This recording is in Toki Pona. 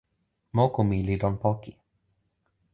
moku mi li lon poki.